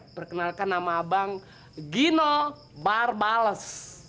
perkenalkan nama abang gino barbales